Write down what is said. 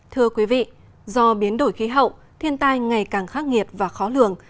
thưa quý vị do biến đổi khí hậu thiên tai ngày càng khắc nghiệt và khó lường